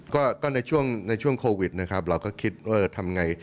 แล้วก็ในช่วงโควิดนะครับเราก็คิดทำอย่างไร